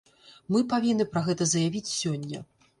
Мы павінны пра гэта заявіць сёння.